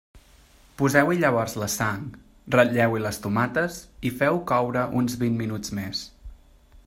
Poseu-hi llavors la sang, ratlleu-hi les tomates i feu-ho coure uns vint minuts més.